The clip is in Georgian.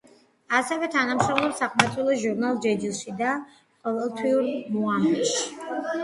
ასევე თანამშრომლობს საყმაწვილო ჟურნალ „ჯეჯილში“ და ყოველთვიურ „მოამბეში“.